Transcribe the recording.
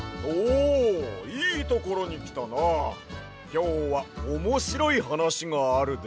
きょうはおもしろいはなしがあるで！